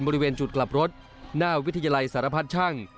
บริเวณจุดกลับรถหน้าวิทยาลัยสารพัดช่าง